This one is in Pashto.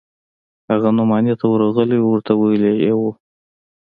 هغه نعماني ته ورغلى و ورته ويلي يې و.